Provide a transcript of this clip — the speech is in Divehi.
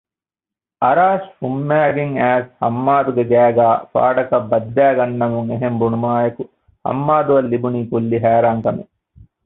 އަރާޝް ފުންމައިގެން އައިސް ހައްމާދުގެ ގައިގައި ފާޑަކަށް ބައްދައިގަންނަމުން އެހެން ބުނުމާއެކު ހައްމާދުއަށް ލިބުނީ ކުއްލި ހައިރާންކަމެއް